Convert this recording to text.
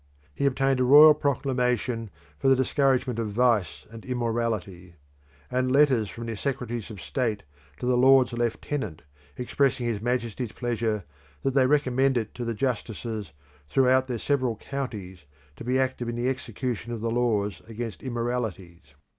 He obtained a royal proclamation for the discouragement of vice and immorality; and letters from the secretaries of state to the lords lieutenant, expressing his Majesty's pleasure, that they recommend it to the justices throughout their several counties to be active in the execution of the laws against immoralities.